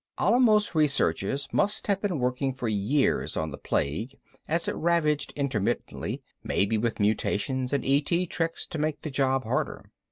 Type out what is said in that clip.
Alamos researchers must have been working for years on the plague as it ravaged intermittently, maybe with mutations and ET tricks to make the job harder.